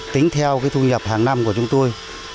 tính theo thu nhập hàng năm của chúng tôi